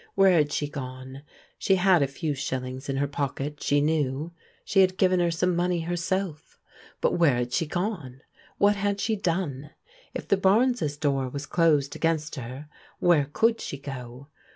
Where had she gone? She had a few shillings in her pocket, she knew. She had given her some money herself. But where had she gone? What had she done? . If the Barnes' door was closed against her where could she go?